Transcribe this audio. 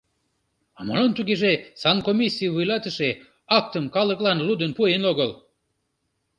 — А молан тугеже санкомиссий вуйлатыше актым калыклан лудын пуэн огыл?